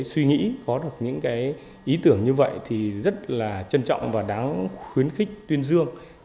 suy nghĩ có được những cái ý tưởng như vậy thì rất là trân trọng và đáng khuyến khích tuyên dương